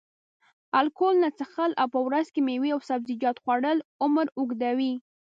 الکول نه څښل او په ورځ کې میوې او سبزیجات خوړل عمر اوږدوي.